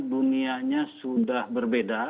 dunianya sudah berbeda